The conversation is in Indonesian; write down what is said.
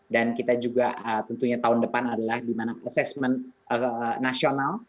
dan kita juga tentunya tahun depan adalah di mana assessment nasional